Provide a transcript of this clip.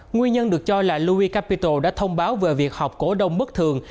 nguyên nhân được cho là louis capito đã thông báo về việc học cổ đông bất thường